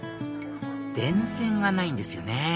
電線がないんですよね